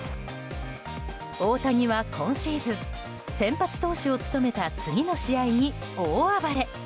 大谷は今シーズン、先発投手を務めた次の試合に大暴れ。